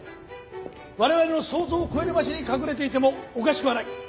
我々の想像を超える場所に隠れていてもおかしくはない。